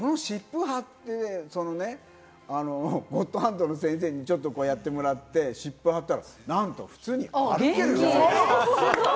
湿布貼って、ゴッドハンドの先生にやってもらって湿布貼ったら、なんと普通に歩けるの。